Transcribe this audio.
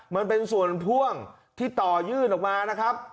มันเป็นส่วนพ่วงที่ต่อยื่นออกมานะครับ